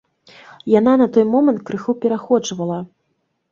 Яна на той момант крыху пераходжвала.